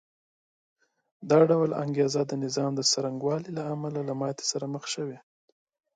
دا ډول انګېزې د نظام څرنګوالي له امله له ماتې سره مخ شوې